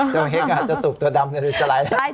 เจ้าเฮ็กอาจจะตุกตัวดำจะไหลแล้ว